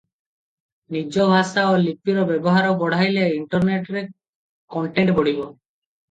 ନିଜ ଭାଷା ଓ ଲିପିର ବ୍ୟବହାର ବଢ଼ାଇଲେ ଇଣ୍ଟରନେଟରେ କଣ୍ଟେଣ୍ଟ ବଢ଼ିବ ।